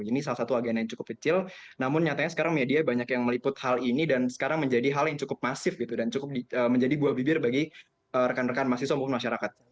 ini salah satu agenda yang cukup kecil namun nyatanya sekarang media banyak yang meliput hal ini dan sekarang menjadi hal yang cukup masif gitu dan cukup menjadi buah bibir bagi rekan rekan mahasiswa maupun masyarakat